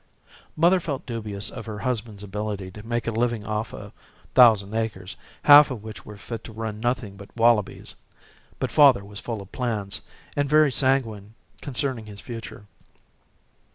Mother felt dubious of her husband's ability to make a living off a thousand acres, half of which were fit to run nothing but wallabies, but father was full of plans, and very sanguine concerning his future.